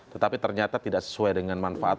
tetapi ternyata tidak sesuai dengan manfaat